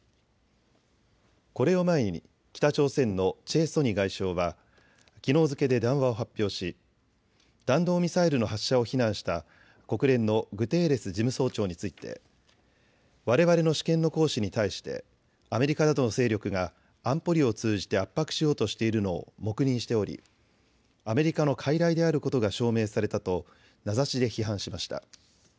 これを前に北朝鮮のチェ・ソニ外相はきのう付けで談話を発表し弾道ミサイルの発射を非難した国連のグテーレス事務総長についてわれわれの主権の行使に対してアメリカなどの勢力が安保理を通じて圧迫しようとしているのを黙認しておりアメリカのかいらいであることが証明されたと名指しで批判しました。